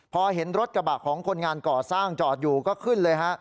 พอเห็นรถกระบะของคนงานก่อสร้างจอดอยู่ก็ขึ้นเลยฮะ